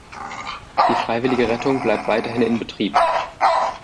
Die freiwillige Rettung bleibt weiterhin in Betrieb.